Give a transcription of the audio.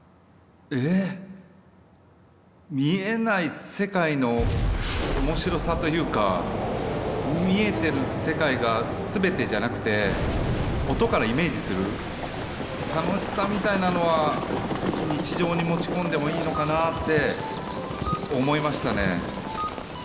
え見えない世界の面白さというか見えてる世界が全てじゃなくて音からイメージする楽しさみたいなのは日常に持ち込んでもいいのかなぁって思いましたね。